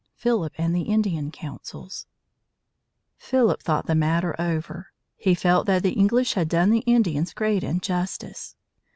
PHILIP AND THE INDIAN COUNCILS Philip thought the matter over. He felt that the English had done the Indians great injustice.